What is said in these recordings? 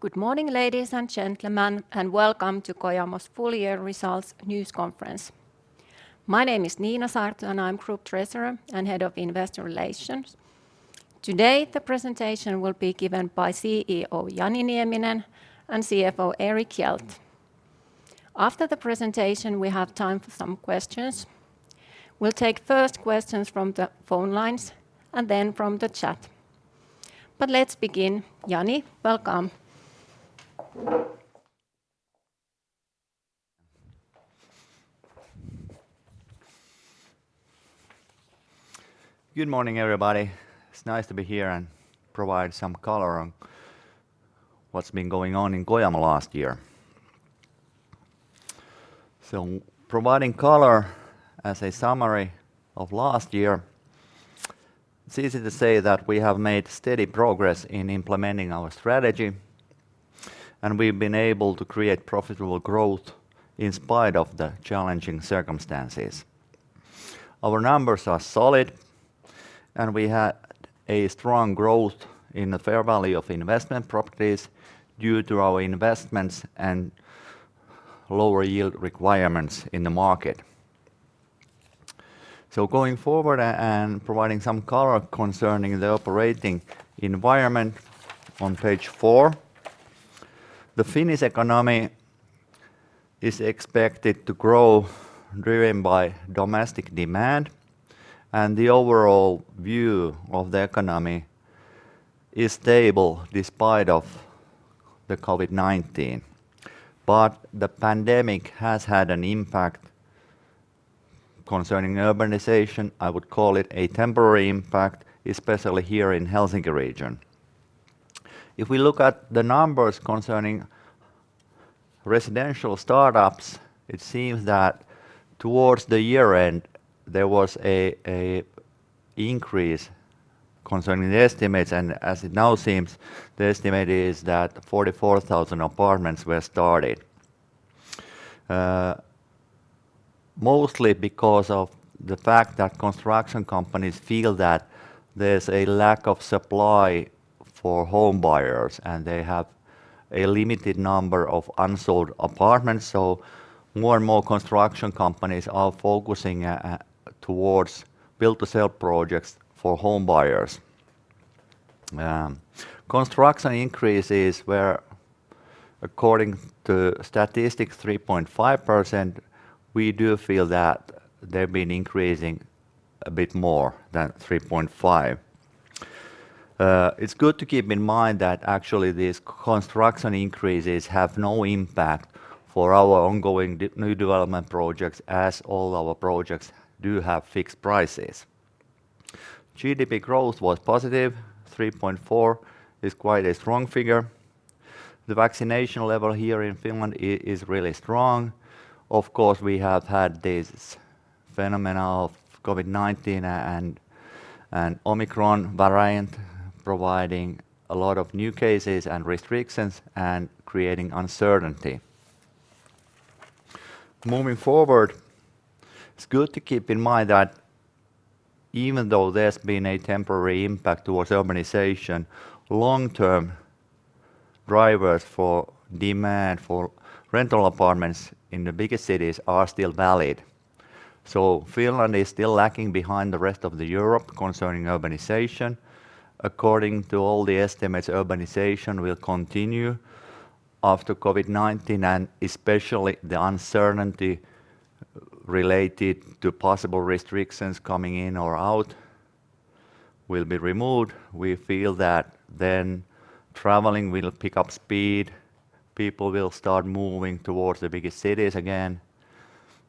Good morning, ladies and gentlemen, and welcome to Kojamo's full year results news conference. My name is Niina Saarto, and I'm Group Treasurer and Head of Investor Relations. Today, the presentation will be given by CEO Jani Nieminen and CFO Erik Hjelt. After the presentation, we have time for some questions. We'll take first questions from the phone lines and then from the chat. Let's begin. Jani, welcome. Good morning, everybody. It's nice to be here and provide some color on what's been going on in Kojamo last year. Providing color as a summary of last year, it's easy to say that we have made steady progress in implementing our strategy, and we've been able to create profitable growth in spite of the challenging circumstances. Our numbers are solid, and we had a strong growth in the fair value of investment properties due to our investments and lower yield requirements in the market. Going forward and providing some color concerning the operating environment on page four, the Finnish economy is expected to grow driven by domestic demand, and the overall view of the economy is stable despite of the COVID-19. The pandemic has had an impact concerning urbanization. I would call it a temporary impact, especially here in Helsinki region. If we look at the numbers concerning residential starts, it seems that towards the year end, there was an increase concerning the estimates. As it now seems, the estimate is that 44,000 apartments were started, mostly because of the fact that construction companies feel that there's a lack of supply for home buyers, and they have a limited number of unsold apartments. More and more construction companies are focusing towards build-to-sell projects for home buyers. Construction increases were, according to statistics, 3.5%. We do feel that they've been increasing a bit more than 3.5%. It's good to keep in mind that actually these construction increases have no impact for our ongoing new development projects, as all our projects do have fixed prices. GDP growth was positive. 3.4% is quite a strong figure. The vaccination level here in Finland is really strong. Of course, we have had this phenomenon of COVID-19 and Omicron variant providing a lot of new cases and restrictions and creating uncertainty. Moving forward, it's good to keep in mind that even though there's been a temporary impact towards urbanization, long-term drivers for demand for rental apartments in the biggest cities are still valid. Finland is still lagging behind the rest of Europe concerning urbanization. According to all the estimates, urbanization will continue after COVID-19, and especially the uncertainty related to possible restrictions coming in or out will be removed. We feel that then traveling will pick up speed. People will start moving towards the biggest cities again,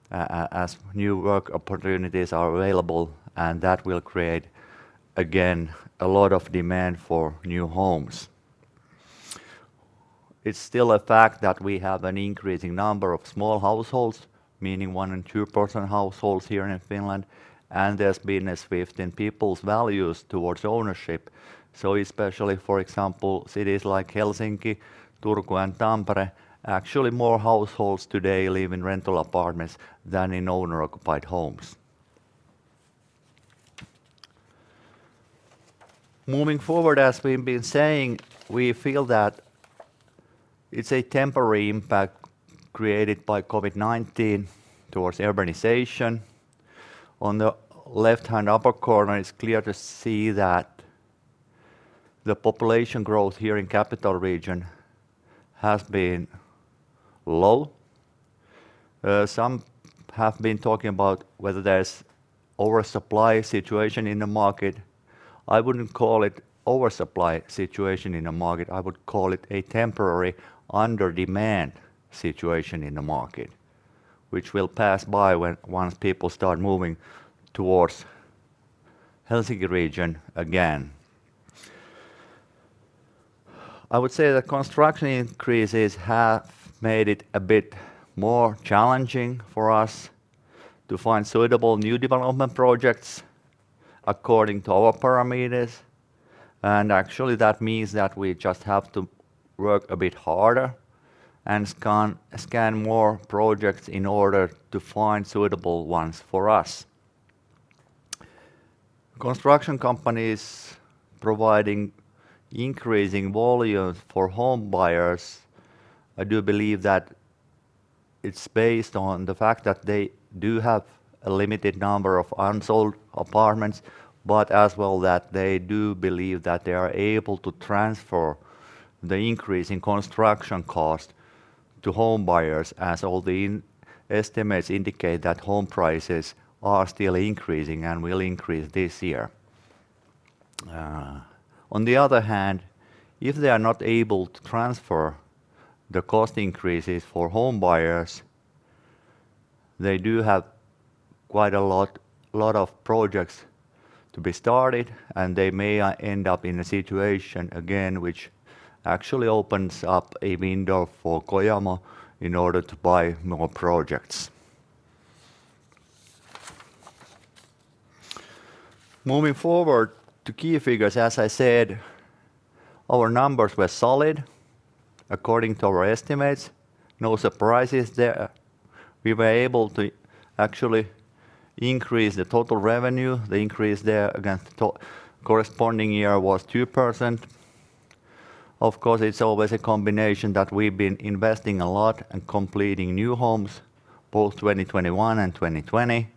as new work opportunities are available, and that will create, again, a lot of demand for new homes. It's still a fact that we have an increasing number of small households, meaning one- and two-person households here in Finland, and there's been a shift in people's values towards ownership. Especially, for example, cities like Helsinki, Turku, and Tampere, actually more households today live in rental apartments than in owner-occupied homes. Moving forward, as we've been saying, we feel that it's a temporary impact created by COVID-19 towards urbanization. On the left-hand upper corner, it's clear to see that the population growth here in Capital Region has been low. Some have been talking about whether there's oversupply situation in the market. I wouldn't call it oversupply situation in the market. I would call it a temporary under demand situation in the market, which will pass by once people start moving towards Helsinki region again. I would say the construction increases have made it a bit more challenging for us to find suitable new development projects according to our parameters. Actually, that means that we just have to work a bit harder and scan more projects in order to find suitable ones for us. Construction companies providing increasing volumes for home buyers, I do believe that it's based on the fact that they do have a limited number of unsold apartments, but as well that they do believe that they are able to transfer the increase in construction cost to home buyers as all the estimates indicate that home prices are still increasing and will increase this year. On the other hand, if they are not able to transfer the cost increases for home buyers, they do have quite a lot of projects to be started, and they may end up in a situation again which actually opens up a window for Kojamo in order to buy more projects. Moving forward to key figures, as I said, our numbers were solid according to our estimates. No surprises there. We were able to actually increase the total revenue. The increase there against the corresponding year was 2%. Of course, it's always a combination that we've been investing a lot and completing new homes, both 2021 and 2020.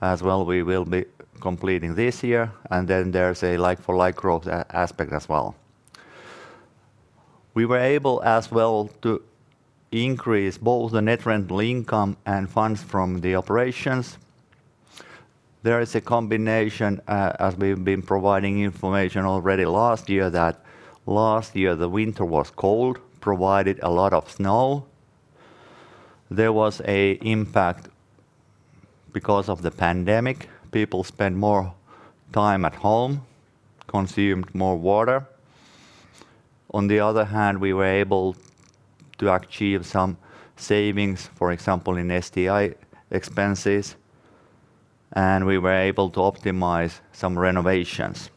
As well, we will be completing this year. And then there's a like-for-like growth aspect as well. We were able, as well, to increase both the net rental income and funds from the operations. There is a combination, as we've been providing information already last year that last year the winter was cold, provided a lot of snow. There was an impact because of the pandemic. People spent more time at home, consumed more water. On the other hand, we were able to achieve some savings, for example, in SG&A expenses, and we were able to optimize some renovations.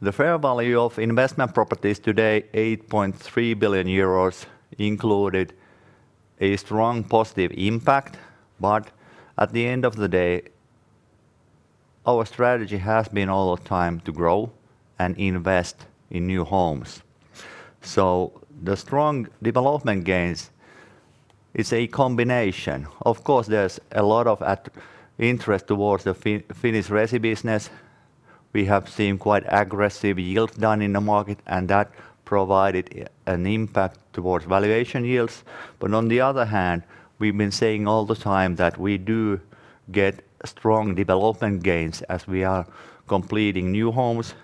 The fair value of investment properties today, 8.3 billion euros, included a strong positive impact. At the end of the day, our strategy has been all the time to grow and invest in new homes. The strong development gains is a combination. Of course, there's a lot of interest towards the Finnish resi business. We have seen quite aggressive yield down in the market, and that provided an impact towards valuation yields. On the other hand, we've been saying all the time that we do get strong development gains as we are completing new homes.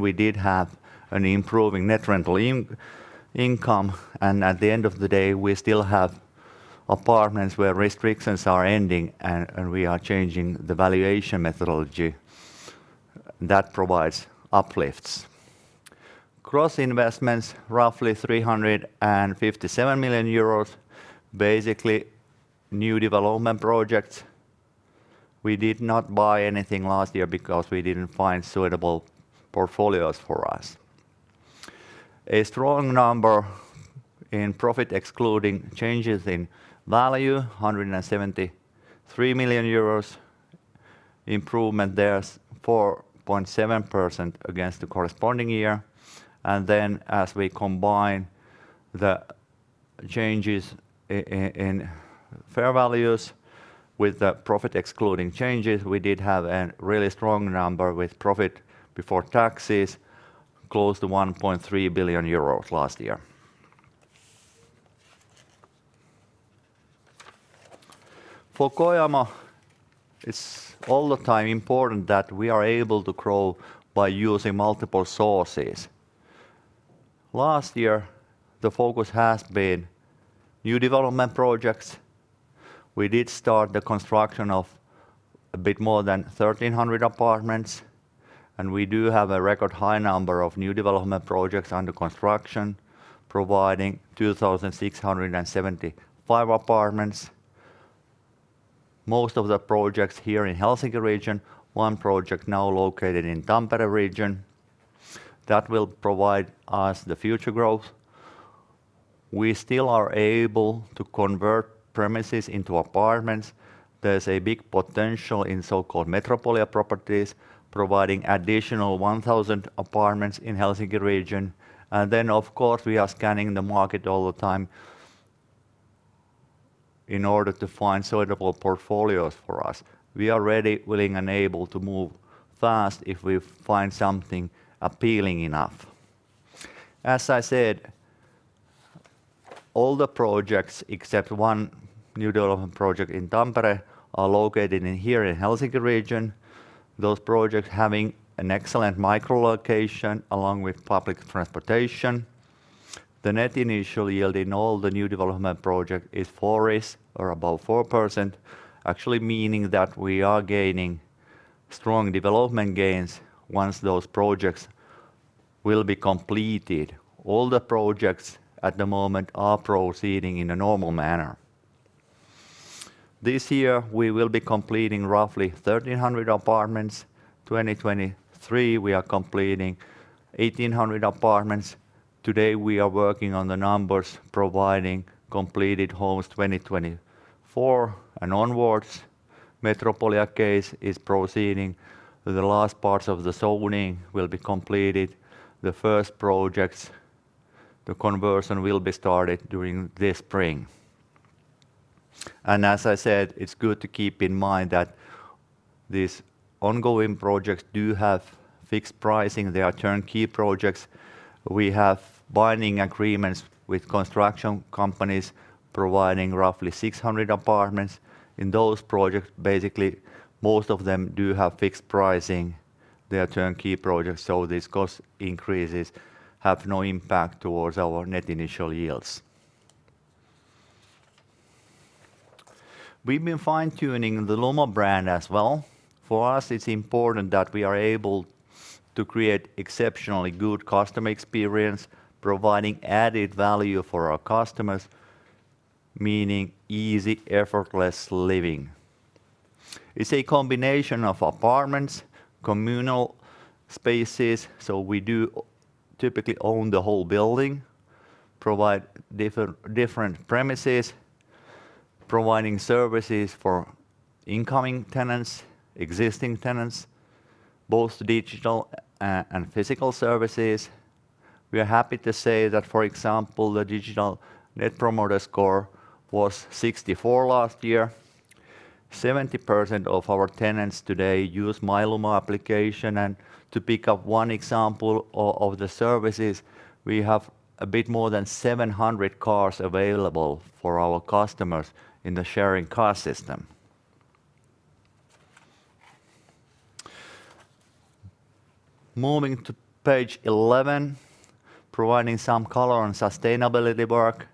We did have an improving net rental income, and at the end of the day, we still have apartments where restrictions are ending, and we are changing the valuation methodology that provides uplifts. Gross investments, roughly 357 million euros, basically new development projects. We did not buy anything last year because we didn't find suitable portfolios for us. A strong number in profit excluding changes in value, 173 million euros. Improvement, there's 4.7% against the corresponding year. As we combine the changes in fair values with the profit excluding changes, we did have a really strong number with profit before taxes, close to 1.3 billion euros last year. For Kojamo, it's all the time important that we are able to grow by using multiple sources. Last year, the focus has been new development projects. We did start the construction of a bit more than 1,300 apartments, and we do have a record high number of new development projects under construction, providing 2,675 apartments. Most of the projects here in Helsinki region, one project now located in Tampere region, that will provide us the future growth. We still are able to convert premises into apartments. There's a big potential in so-called Metropolia properties, providing additional 1,000 apartments in Helsinki region. Of course, we are scanning the market all the time in order to find suitable portfolios for us. We are ready, willing, and able to move fast if we find something appealing enough. As I said, all the projects, except one new development project in Tampere, are located here in Helsinki region, those projects having an excellent micro-location along with public transportation. The net initial yield in all the new development projects is 4% or above 4%, actually meaning that we are gaining strong development gains once those projects will be completed. All the projects at the moment are proceeding in a normal manner. This year, we will be completing roughly 1,300 apartments. 2023, we are completing 1,800 apartments. Today, we are working on the numbers providing completed homes 2024 and onwards. Metropolia case is proceeding. The last parts of the zoning will be completed. The first projects, the conversion will be started during this spring. As I said, it's good to keep in mind that these ongoing projects do have fixed pricing. They are turnkey projects. We have binding agreements with construction companies providing roughly 600 apartments. In those projects, basically, most of them do have fixed pricing. They are turnkey projects, so these cost increases have no impact toward our net initial yields. We've been fine-tuning the Lumo brand as well. For us, it's important that we are able to create exceptionally good customer experience, providing added value for our customers, meaning easy, effortless living. It's a combination of apartments, communal spaces. We do typically own the whole building, provide different premises, providing services for incoming tenants, existing tenants, both digital and physical services. We are happy to say that, for example, the digital Net Promoter Score was 64 last year. 70% of our tenants today use My Lumo application. To pick up one example of the services, we have a bit more than 700 cars available for our customers in the sharing car system. Moving to page 11, providing some color on sustainability work.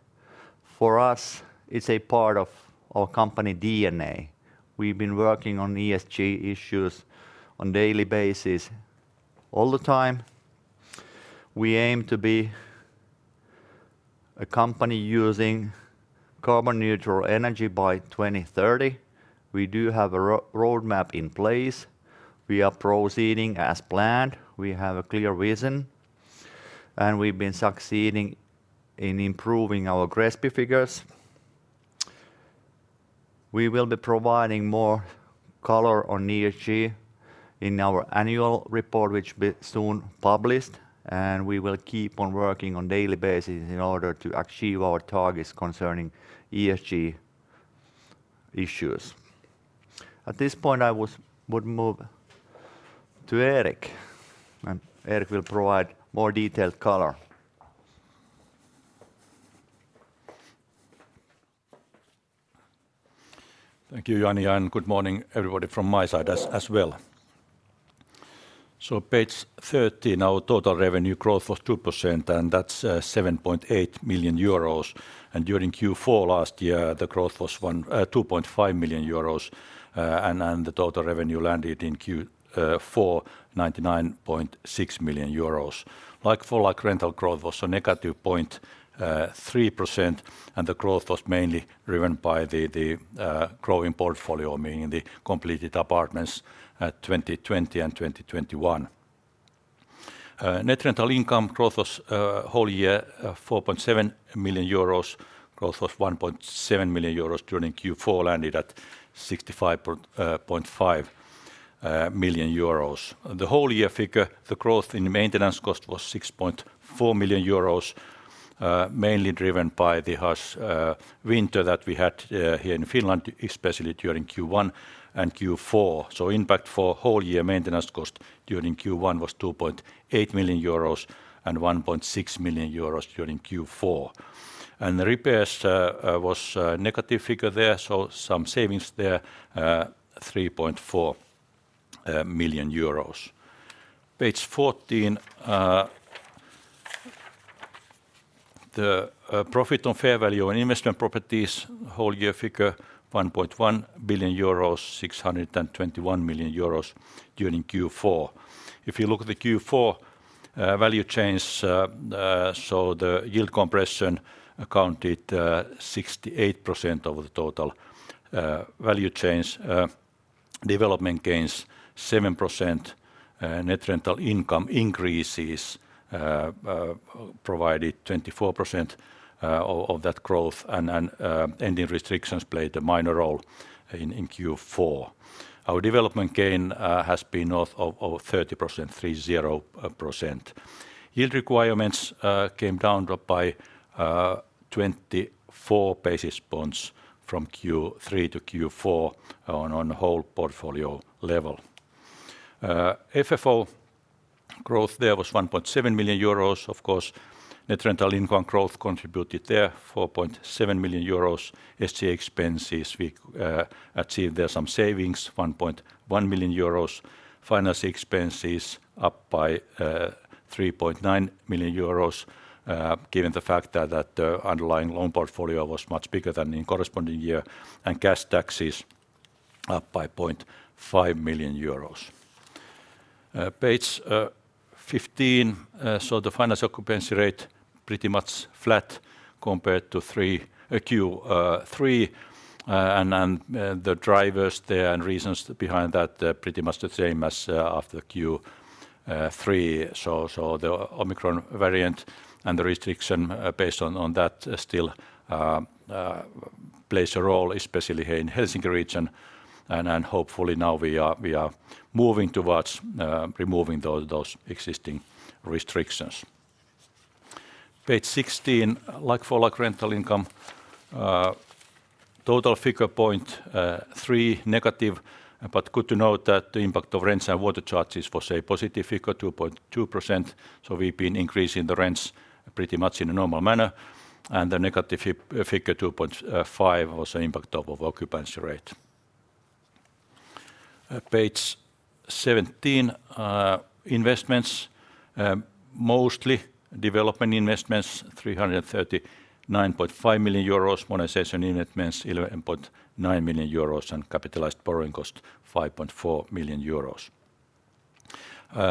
For us, it's a part of our company DNA. We've been working on ESG issues on daily basis all the time. We aim to be a company using carbon-neutral energy by 2030. We do have a roadmap in place. We are proceeding as planned. We have a clear vision, and we've been succeeding in improving our GRESB figures. We will be providing more color on ESG in our annual report, which be soon published, and we will keep on working on daily basis in order to achieve our targets concerning ESG issues. At this point, I would move to Erik, and Erik will provide more detailed color. Thank you, Jani, and good morning, everybody, from my side as well. Page 13, our total revenue growth was 2%, and that's 7.8 million euros. During Q4 last year, the growth was 2.5 million euros, and the total revenue landed in Q4, 99.6 million euros. Like-for-like rental growth was a negative 0.3%, and the growth was mainly driven by the growing portfolio, meaning the completed apartments, 2020 and 2021. Net rental income growth was whole year 4.7 million euros. Growth was 1.7 million euros during Q4, landed at 65.5 million euros. The whole year figure, the growth in maintenance cost was 6.4 million euros, mainly driven by the harsh winter that we had here in Finland, especially during Q1 and Q4. Impact for whole year maintenance cost during Q1 was 2.8 million euros and 1.6 million euros during Q4. The repairs was negative figure there, so some savings there, 3.4 million euros. Page 14, the profit on fair value and investment properties, whole year figure, 1.1 billion euros, 621 million euros during Q4. If you look at the Q4 value change, so the yield compression accounted 68% of the total value change. Development gains, 7%. Net rental income increases provided 24% of that growth. Easing restrictions played a minor role in Q4. Our development gain has been north of 30%, 30%. Yield requirements came down by 24 basis points from Q3 to Q4 on whole portfolio level. FFO growth there was 1.7 million euros. Of course, net rental income growth contributed there, 4.7 million euros. SG&A expenses, we achieved there some savings, 1.1 million euros. Finance expenses up by 3.9 million euros, given the fact that underlying loan portfolio was much bigger than in corresponding year. Cash taxes up by 0.5 million euros. Page 15, the financial occupancy rate pretty much flat compared to Q3. The drivers there and reasons behind that, they're pretty much the same as after Q3. The Omicron variant and the restrictions based on that still plays a role, especially here in Helsinki region, and hopefully now we are moving towards removing those existing restrictions. Page 16, like-for-like rental income total figure -0.3%, but good to note that the impact of rents and water charges was a positive figure, 2.2%. We've been increasing the rents pretty much in a normal manner, and the negative figure, 2.5, was the impact of occupancy rate. Page 17, investments, mostly development investments, 339.5 million euros, monetization investments 11.9 million euros, and capitalized borrowing cost 5.4 million euros.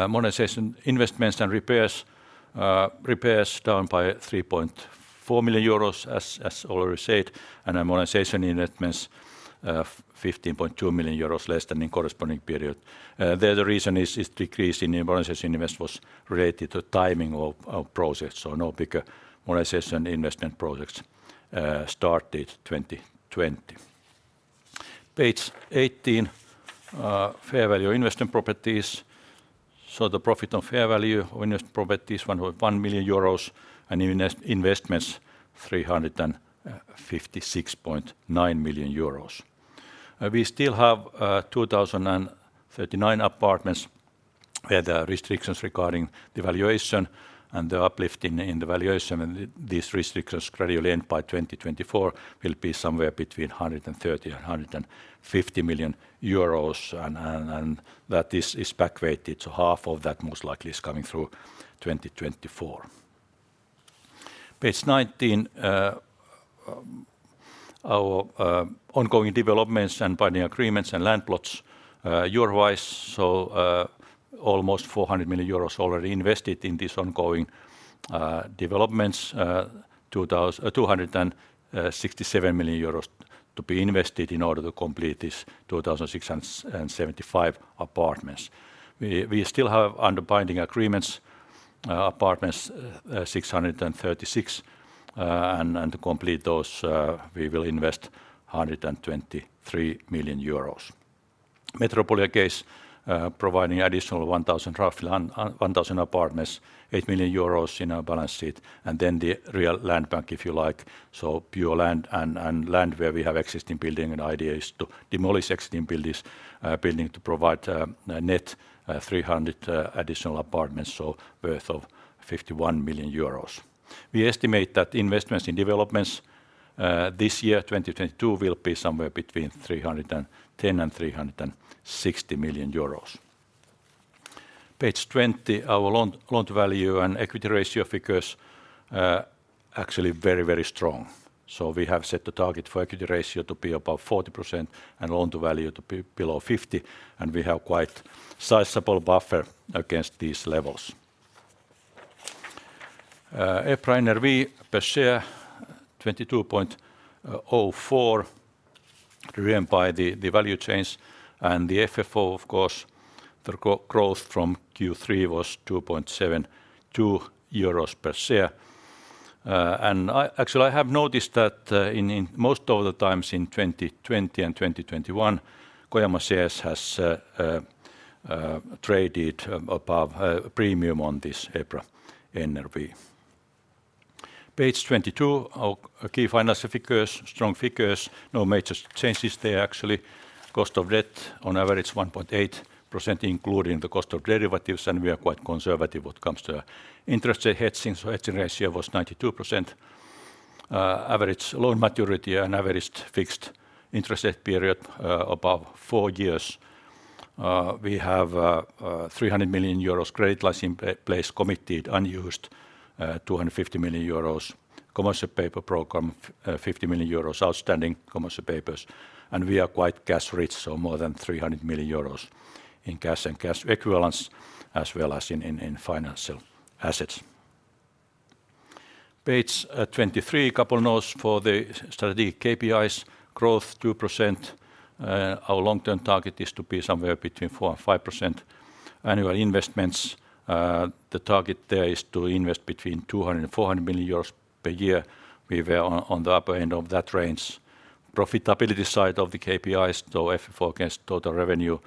Monetization investments and repairs down by 3.4 million euros, as already said, and monetization investments, 15.2 million euros less than in corresponding period. There the reason is decrease in monetization investments related to timing of projects, so no bigger monetization investment projects started 2020. Page 18, fair value investment properties. The profit on fair value investment properties 1.1 million euros, and investments 356.9 million euros. We still have 2,039 apartments where there are restrictions regarding the valuation and the uplift in the valuation, and these restrictions gradually end by 2024, will be somewhere between 130 million and 150 million euros, and that is back weighted, so half of that most likely is coming through 2024. Page 19, our ongoing developments and binding agreements and land plots, euro-wise, so almost 400 million euros already invested in these ongoing developments, 267 million euros to be invested in order to complete these 2,675 apartments. We still have under binding agreements apartments 636, and to complete those, we will invest 123 million euros. Metropolia case, providing additional 1,000, roughly, on 1,000 apartments, 8 million euros in our balance sheet, and then the real land bank, if you like, so pure land and land where we have existing building, and idea is to demolish existing buildings, building to provide a net 300 additional apartments, so worth of 51 million euros. We estimate that investments in developments this year, 2022, will be somewhere between 310 million and 360 million euros. Page 20, our loan-to-value and equity ratio figures actually very strong. We have set the target for equity ratio to be above 40% and loan-to-value to be below 50%, and we have quite sizable buffer against these levels. EPRA NRV per share, 22.04, driven by the value change, and the FFO, of course, for growth from Q3 was 2.72 euros per share. Actually, I have noticed that, in most of the times in 2020 and 2021, Kojamo shares has traded above premium on this EPRA NRV. Page 22, our key financial figures, strong figures, no major changes there actually. Cost of debt on average 1.8% including the cost of derivatives, and we are quite conservative when it comes to interest rate hedging, so hedging ratio was 92%. Average loan maturity and average fixed interest rate period above four years. We have 300 million euros credit lines in place, committed, unused, 250 million euros. Commercial paper program, 50 million euros, outstanding commercial papers. We are quite cash rich, so more than 300 million euros in cash and cash equivalents, as well as in financial assets. Page 23, couple notes for the strategic KPIs. Growth 2%. Our long-term target is to be somewhere between 4%-5% annual investments. The target there is to invest between 200 million euros and 400 million euros per year. We were on the upper end of that range. Profitability side of the KPIs, so FFO against total revenue,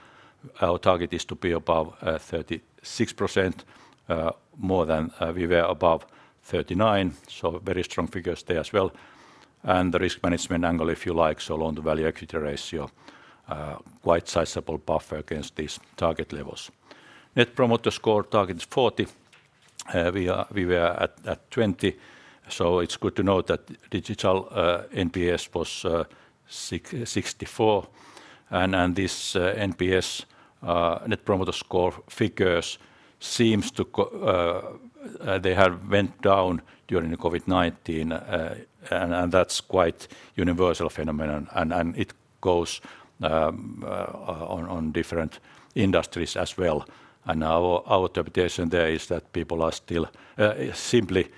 our target is to be above 36%, more than we were above 39%, so very strong figures there as well. The risk management angle, if you like, so loan-to-value, equity ratio, quite sizable buffer against these target levels. Net Promoter Score target is 40. We were at 20, so it's good to note that digital NPS was 64, and this NPS net promoter score figures seem to have gone down during the COVID-19 and that's quite universal phenomenon. It goes on different industries as well. Our interpretation there is that people are still simply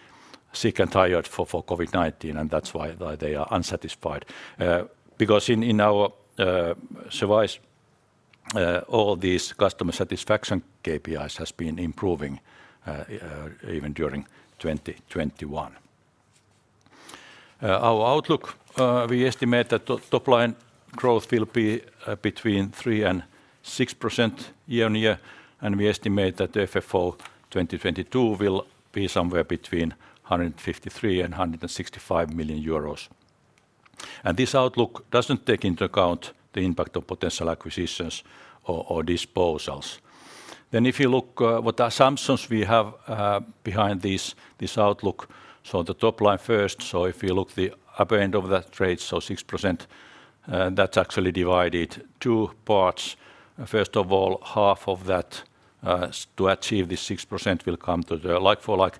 sick and tired of COVID-19, and that's why they are unsatisfied. Because in our surveys all these customer satisfaction KPIs has been improving even during 2021. Our outlook, we estimate that the top line growth will be between 3% and 6% year-on-year. We estimate that the FFO 2022 will be somewhere between 153 million and 165 million euros. This outlook doesn't take into account the impact of potential acquisitions or disposals. If you look at what assumptions we have behind this outlook, the top line first. If you look at the upper end of that range, 6%, that's actually divided into two parts. First of all, half of that to achieve this 6% will come through the like-for-like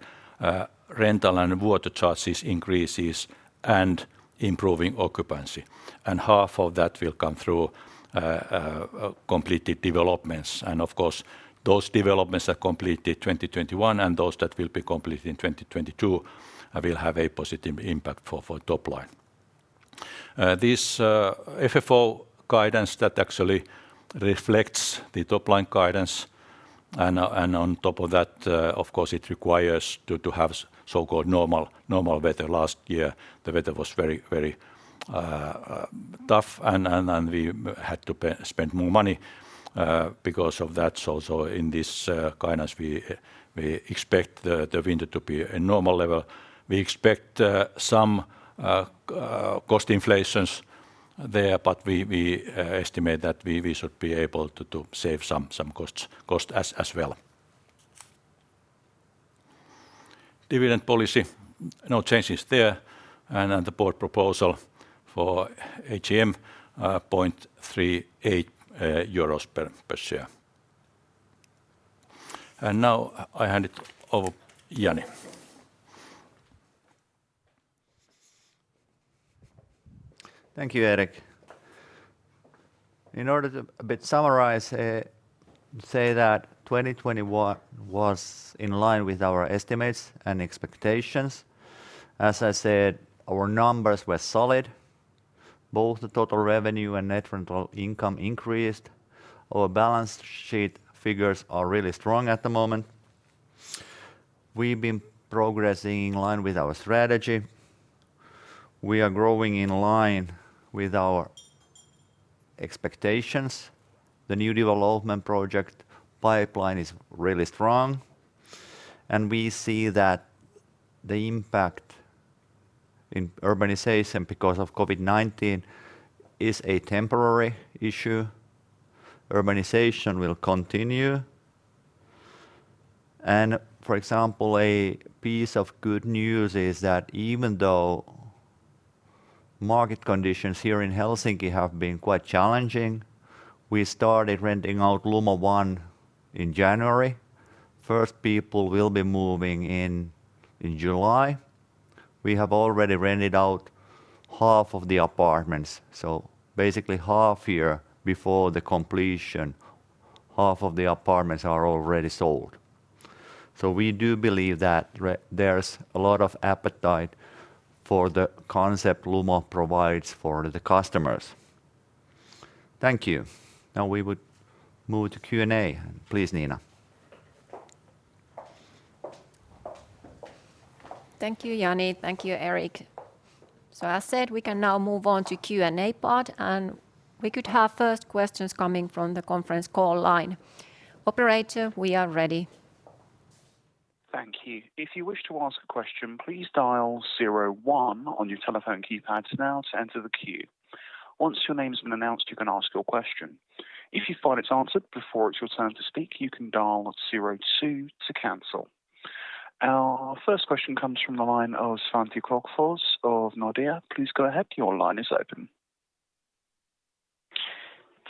rental and water charges increases and improving occupancy, and half of that will come through completed developments. Of course, those developments completed 2021, and those that will be completed in 2022 will have a positive impact for top line. This FFO guidance actually reflects the top-line guidance. On top of that, of course, it requires to have so-called normal weather. Last year, the weather was very tough and we had to spend more money because of that. In this guidance, we expect the winter to be a normal level. We expect some cost inflations there, but we estimate that we should be able to save some costs as well. Dividend policy, no changes there. The board proposal for AGM, 0.38 euros per share. Now I hand it over Jani. Thank you, Erik. In order to a bit summarize, say that 2021 was in line with our estimates and expectations. As I said, our numbers were solid. Both the total revenue and net rental income increased. Our balance sheet figures are really strong at the moment. We've been progressing in line with our strategy. We are growing in line with our expectations. The new development project pipeline is really strong, and we see that the impact in urbanization because of COVID-19 is a temporary issue. Urbanization will continue. For example, a piece of good news is that even though market conditions here in Helsinki have been quite challenging, we started renting out Lumo One in January. First people will be moving in in July. We have already rented out half of the apartments. Basically half year before the completion, half of the apartments are already sold. We do believe that there's a lot of appetite for the concept Lumo provides for the customers. Thank you. Now we would move to Q&A. Please, Niina. Thank you, Jani. Thank you, Erik. As said, we can now move on to Q&A part, and we could have first questions coming from the conference call line. Operator, we are ready. Thank you. If you wish to ask a question, please dial zero one on your telephone keypads now to enter the queue. Once your name has been announced, you can ask your question. If you find it's answered before it's your turn to speak, you can dial zero two to cancel. Our first question comes from the line of Santtu Klockars of Nordea. Please go ahead, your line is open.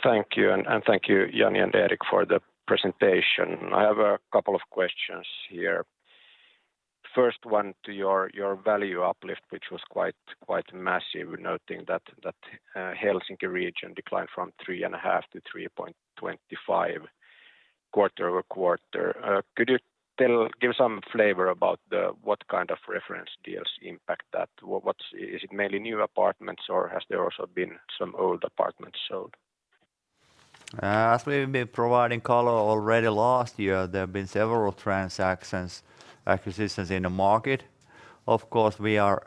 Thank you. Thank you, Jani and Erik, for the presentation. I have a couple of questions here. First one to your value uplift, which was quite massive noting that Helsinki region declined from 3.5% to 3.25% quarter-over-quarter. Could you give some flavor about what kind of reference deals impact that? Is it mainly new apartments, or has there also been some old apartments sold? As we've been providing color already, last year, there have been several transactions, acquisitions in the market. Of course, we are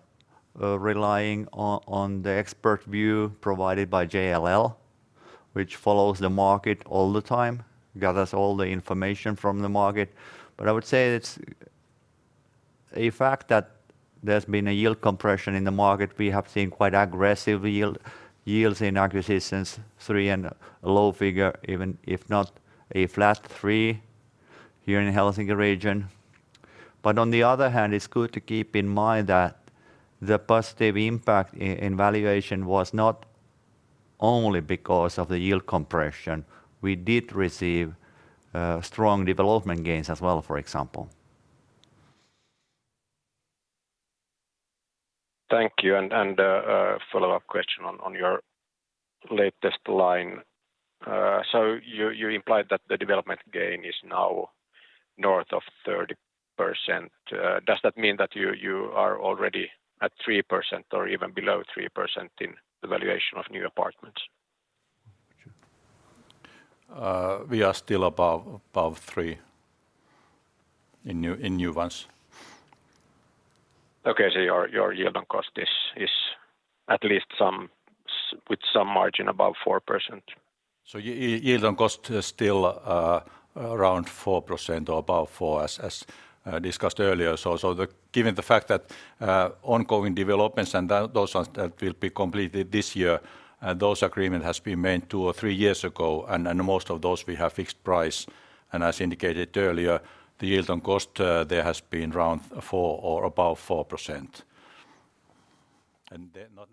relying on the expert view provided by JLL, which follows the market all the time, gathers all the information from the market. I would say it's a fact that there's been a yield compression in the market. We have seen quite aggressive yields in acquisitions, 3% and a low figure, even if not a flat 3% here in Helsinki region. On the other hand, it's good to keep in mind that the positive impact in valuation was not only because of the yield compression. We did receive strong development gains as well, for example. Thank you. A follow-up question on your latest line. So you implied that the development gain is now north of 30%. Does that mean that you are already at 3% or even below 3% in the valuation of new apartments? We are still above three in new ones. Your yield on cost is at least with some margin above 4%. Yield on cost is still around 4% or above 4% as discussed earlier. Given the fact that ongoing developments and those ones that will be completed this year, those agreement has been made two or three years ago. Most of those we have fixed price. As indicated earlier, the yield on cost there has been around 4% or above 4%.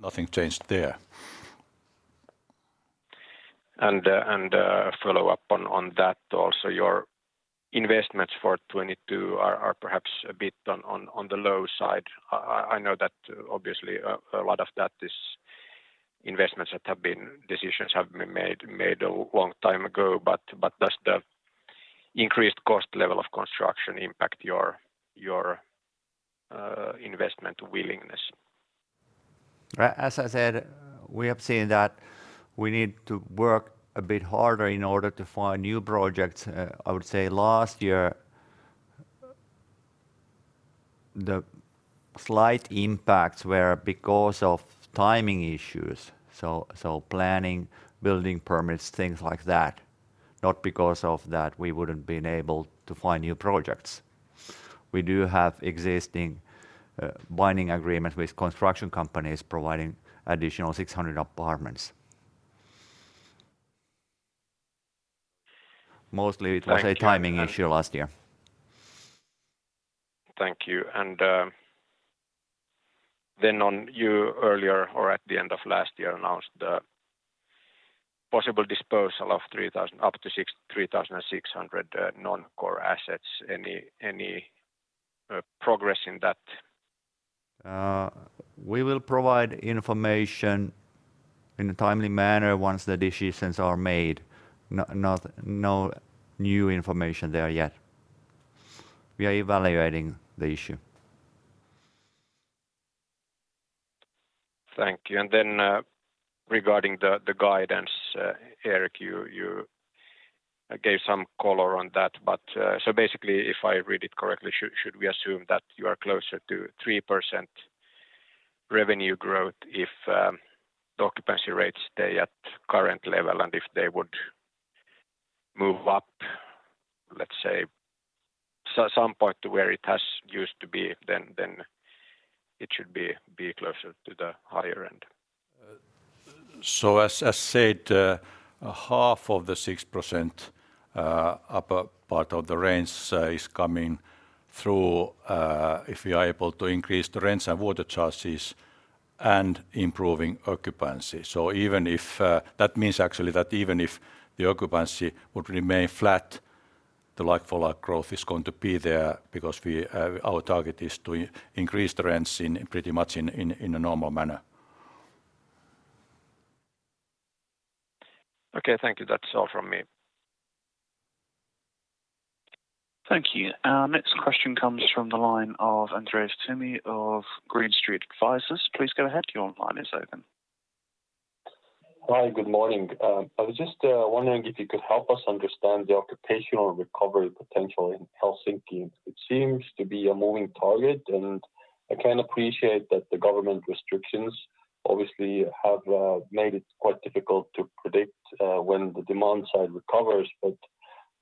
Nothing changed there. Follow-up on that also. Your investments for 2022 are perhaps a bit on the low side. I know that obviously a lot of that is decisions that have been made a long time ago. Does the increased cost level of construction impact your investment willingness? As I said, we have seen that we need to work a bit harder in order to find new projects. I would say last year the slight impacts were because of timing issues, so planning, building permits, things like that, not because of that we wouldn't been able to find new projects. We do have existing binding agreements with construction companies providing additional 600 apartments. Mostly it was- Thank you. A timing issue last year. Thank you. Then, on the one you earlier or at the end of last year announced the possible disposal of up to 3,600 non-core assets. Any progress in that? We will provide information in a timely manner once the decisions are made. No new information there yet. We are evaluating the issue. Thank you. Then, regarding the guidance, Erik, you gave some color on that. Basically if I read it correctly, should we assume that you are closer to 3% revenue growth if the occupancy rates stay at current level? If they would move up, let's say some point to where it has used to be, then it should be closer to the higher end. As said, half of the 6% upper part of the range is coming through if we are able to increase the rents and water charges and improving occupancy. That means actually that even if the occupancy would remain flat, the like-for-like growth is going to be there because our target is to increase the rents in pretty much a normal manner. Okay. Thank you. That's all from me. Thank you. Our next question comes from the line of Andreas Toome of Green Street Advisors. Please go ahead. Your line is open. Hi. Good morning. I was just wondering if you could help us understand the occupational recovery potential in Helsinki. It seems to be a moving target, and I can appreciate that the government restrictions obviously have made it quite difficult to predict when the demand side recovers.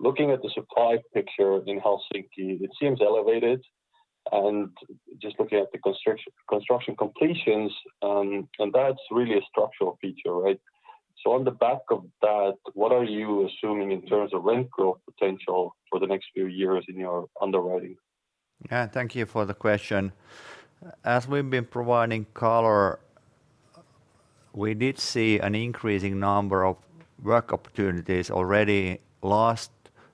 Looking at the supply picture in Helsinki, it seems elevated. Just looking at the construction completions, and that's really a structural feature, right? On the back of that, what are you assuming in terms of rent growth potential for the next few years in your underwriting? Yeah. Thank you for the question. As we've been providing color, we did see an increasing number of work opportunities already last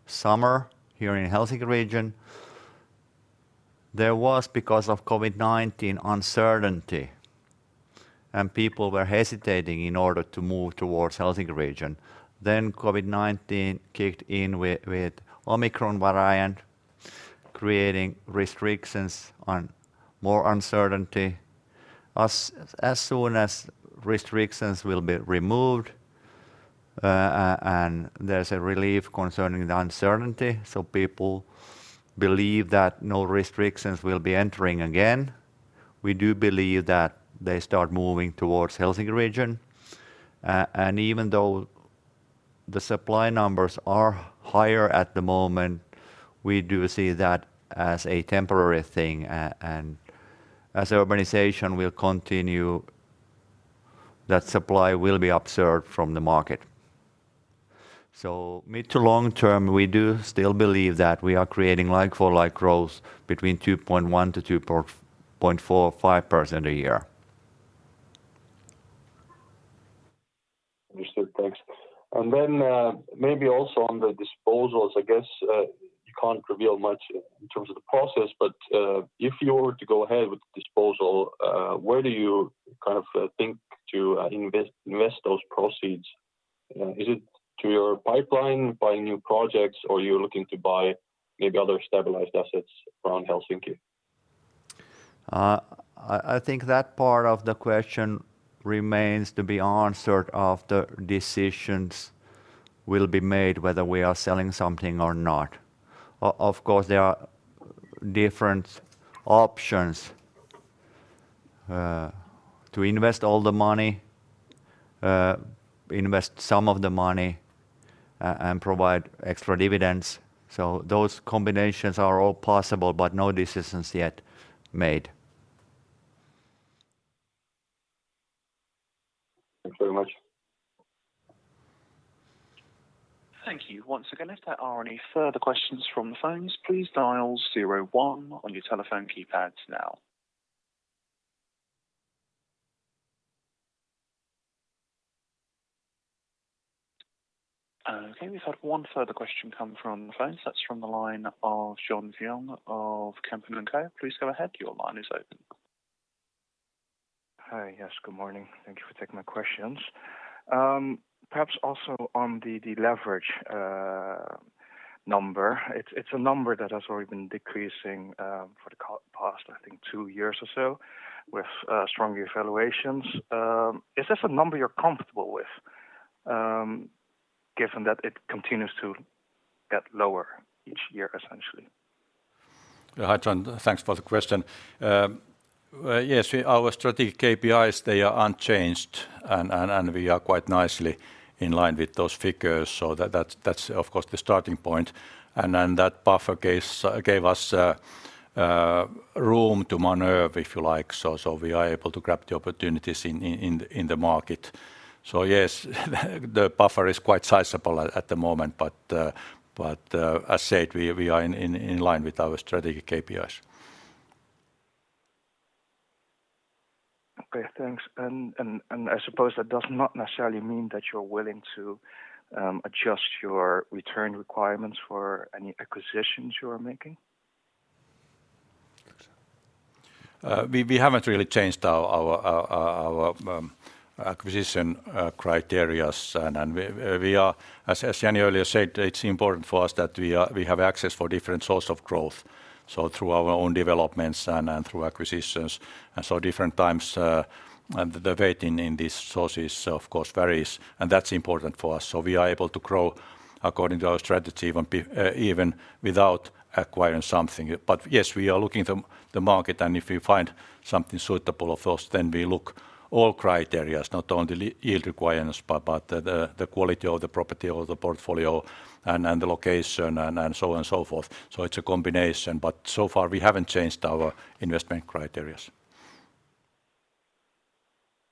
summer here in Helsinki region. There was, because of COVID-19, uncertainty, and people were hesitating in order to move towards Helsinki region. Then COVID-19 kicked in with Omicron variant, creating restrictions and more uncertainty. As soon as restrictions will be removed, and there's a relief concerning the uncertainty, so people believe that no restrictions will be entering again, we do believe that they start moving towards Helsinki region. Even though the supply numbers are higher at the moment, we do see that as a temporary thing. As urbanization will continue, that supply will be absorbed from the market. Mid- to long-term, we do still believe that we are creating like-for-like growth between 2.1% to 2.4% or 5% a year. Understood. Thanks. Maybe also on the disposals, I guess, you can't reveal much in terms of the process, but if you were to go ahead with the disposal, where do you kind of think to invest those proceeds? Is it to your pipeline, buying new projects, or you're looking to buy maybe other stabilized assets around Helsinki? I think that part of the question remains to be answered after decisions will be made whether we are selling something or not. Of course, there are different options to invest all the money, invest some of the money and provide extra dividends. Those combinations are all possible, but no decisions yet made. Thanks very much. Thank you. Once again, if there are any further questions from the phones, please dial zero one on your telephone keypads now. Okay, we've had one further question come from the phones. That's from the line of John Vuong of Kempen & Co. Please go ahead. Your line is open. Hi. Yes, good morning. Thank you for taking my questions. Perhaps also on the leverage number. It's a number that has already been decreasing for the past, I think, two years or so with strong valuations. Is this a number you're comfortable with, given that it continues to get lower each year, essentially? Hi, John. Thanks for the question. Yes, our strategic KPIs, they are unchanged and we are quite nicely in line with those figures. That's of course the starting point. That buffer case gave us room to maneuver, if you like, so we are able to grab the opportunities in the market. Yes, the buffer is quite sizable at the moment. As I said, we are in line with our strategic KPIs. Okay, thanks. I suppose that does not necessarily mean that you're willing to adjust your return requirements for any acquisitions you are making? We haven't really changed our acquisition criteria. As Jani Nieminen earlier said, it's important for us that we have access to different sources of growth. Through our own developments and through acquisitions. Different times, the weight in these sources, of course, varies, and that's important for us. We are able to grow according to our strategy even without acquiring something. Yes, we are looking to the market, and if we find something suitable at first, then we look at all criteria, not only the yield requirements, but the quality of the property or the portfolio and the location and so on and so forth. It's a combination, but so far we haven't changed our investment criteria.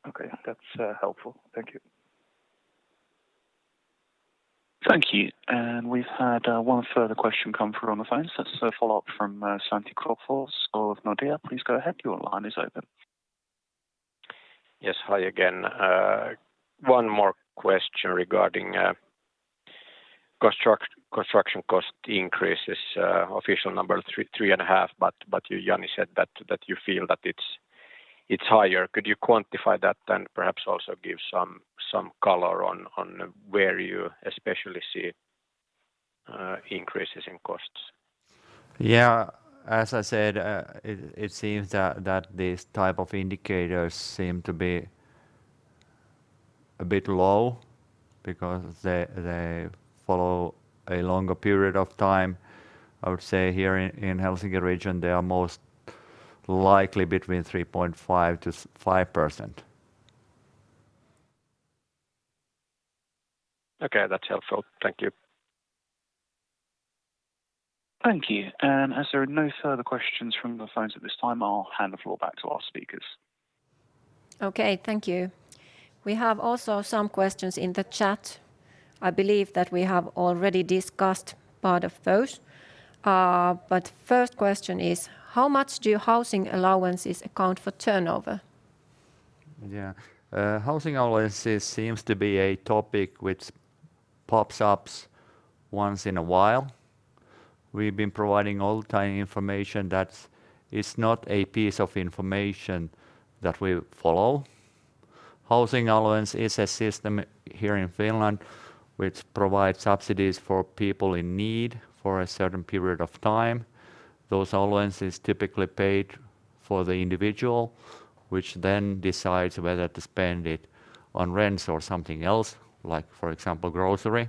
Okay. That's helpful. Thank you. Thank you. We've had one further question come through on the phone. It's a follow-up from Santtu Klockars of Nordea. Please go ahead. Your line is open. Yes. Hi again. One more question regarding construction cost increases. Official number 3.5%, but you, Jani, said that you feel that it's higher. Could you quantify that and perhaps also give some color on where you especially see increases in costs? Yeah. As I said, it seems that these type of indicators seem to be a bit low because they follow a longer period of time. I would say here in Helsinki region, they are most likely between 3.5%-5%. Okay. That's helpful. Thank you. Thank you. As there are no further questions from the phones at this time, I'll hand the floor back to our speakers. Okay. Thank you. We have also some questions in the chat. I believe that we have already discussed part of those. First question is, how much do housing allowances account for turnover? Yeah. Housing allowances seems to be a topic which pops up once in a while. We've been providing all the time information that it's not a piece of information that we follow. Housing allowance is a system here in Finland which provides subsidies for people in need for a certain period of time. Those allowances are typically paid for the individual, which then decides whether to spend it on rents or something else, like, for example, grocery.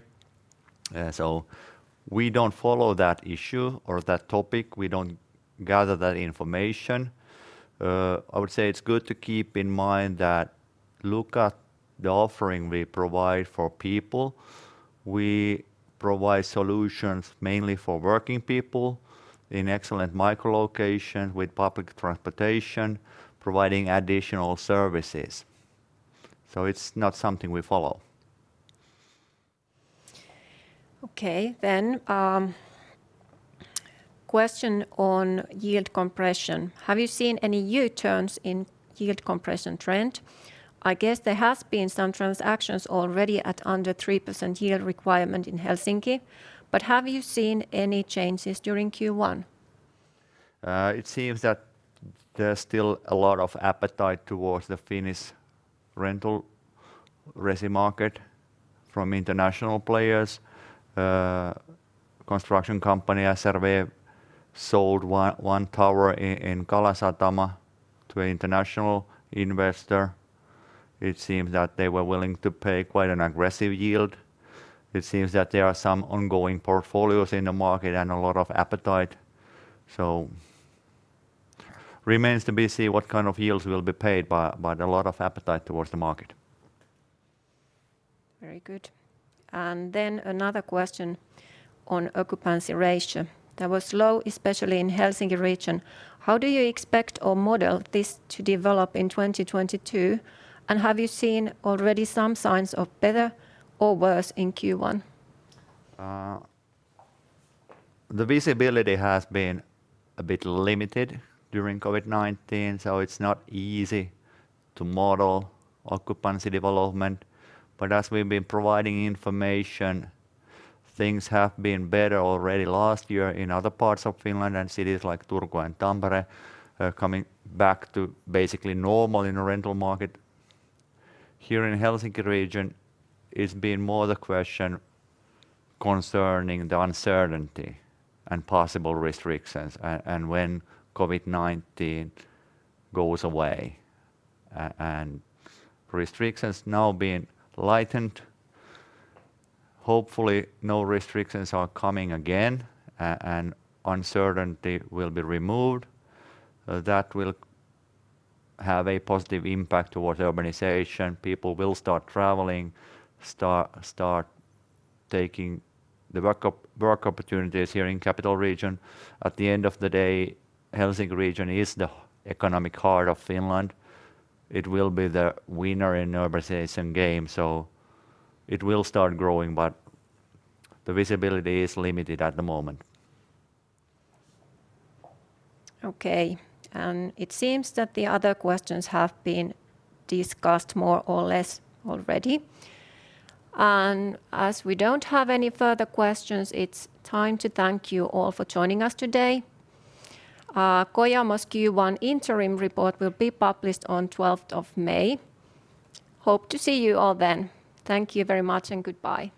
We don't follow that issue or that topic. We don't gather that information. I would say it's good to keep in mind that look at the offering we provide for people. We provide solutions mainly for working people in excellent micro location with public transportation, providing additional services. It's not something we follow. Okay, question on yield compression. Have you seen any U-turns in yield compression trend? I guess there has been some transactions already at under 3% yield requirement in Helsinki, but have you seen any changes during Q1? It seems that there's still a lot of appetite towards the Finnish rental resi market from international players. Construction company SRV sold one tower in Kalasatama to an international investor. It seems that they were willing to pay quite an aggressive yield. It seems that there are some ongoing portfolios in the market and a lot of appetite. Remains to be seen what kind of yields will be paid by the lot of appetite towards the market. Very good. Another question on occupancy ratio that was low, especially in Helsinki region. How do you expect or model this to develop in 2022, and have you seen already some signs of better or worse in Q1? The visibility has been a bit limited during COVID-19, so it's not easy to model occupancy development. As we've been providing information, things have been better already last year in other parts of Finland and cities like Turku and Tampere are coming back to basically normal in the rental market. Here in Helsinki region, it's been more the question concerning the uncertainty and possible restrictions and when COVID-19 goes away. Restrictions now being lightened, hopefully no restrictions are coming again and uncertainty will be removed. That will have a positive impact towards urbanization. People will start traveling, start taking the work opportunities here in capital region. At the end of the day, Helsinki region is the economic heart of Finland. It will be the winner in urbanization game, so it will start growing, but the visibility is limited at the moment. Okay. It seems that the other questions have been discussed more or less already. As we don't have any further questions, it's time to thank you all for joining us today. Kojamo's Q1 interim report will be published on May 12th. Hope to see you all then. Thank you very much and goodbye.